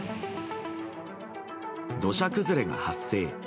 土砂崩れが発生。